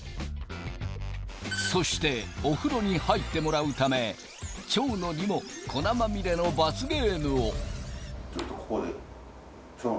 そしてお風呂に入ってもらうため蝶野にも粉まみれの罰ゲームをちょっとここで。